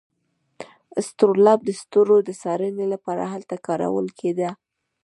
اسټرولاب د ستورو د څارنې لپاره هلته کارول کیده.